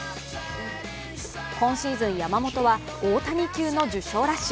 今シーズン、山本は大谷級の受賞ラッシュ。